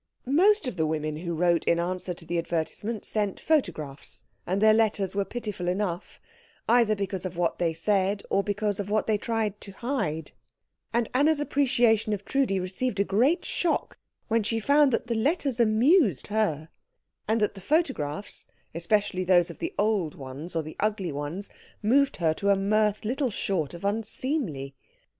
Most of the women who wrote in answer to the advertisement sent photographs, and their letters were pitiful enough, either because of what they said or because of what they tried to hide; and Anna's appreciation of Trudi received a great shock when she found that the letters amused her, and that the photographs, especially those of the old ones or the ugly ones, moved her to a mirth little short of unseemly.